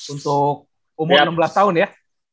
untuk umur enam belas tahun ya